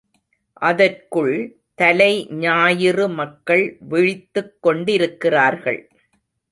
அதற்குள் தலைஞாயிறு மக்கள் விழித்துக் கொண்டிருக்கிறார்கள்.